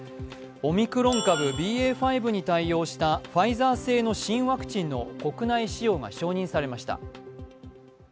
オミクロン株ＢＡ．５に対応したファイザー製の新ワクチンの国内使用が承認されました。